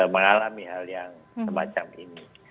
mengalami hal yang semacam ini